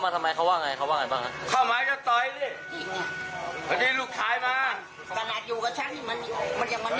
ที่แหละครับที่มันกำลังบูนลัด